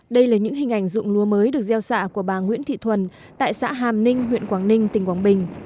đây là những hình ảnh dụng lúa mới được gieo xạ của bà nguyễn thị thuần tại xã hàm ninh huyện quảng ninh tỉnh quảng bình